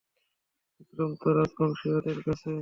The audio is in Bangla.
বিক্রম তো রাজবংশীয় ওদের কাছে।